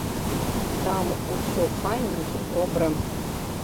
Там ўсё файна і добра.